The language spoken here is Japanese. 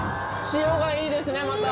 塩がいいですねまた。